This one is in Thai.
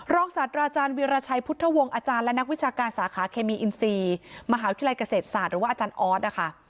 ศาสตราอาจารย์วิราชัยพุทธวงศ์อาจารย์และนักวิชาการสาขาเคมีอินซีมหาวิทยาลัยเกษตรศาสตร์หรือว่าอาจารย์ออสนะคะ